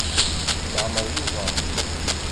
Leɛmer yuẓam.